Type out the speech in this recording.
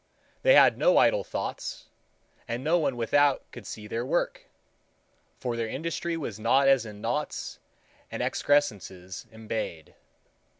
They had no idle thoughts, and no one without could see their work, for their industry was not as in knots and excrescences embayed.